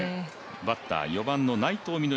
バッター４番の内藤実穂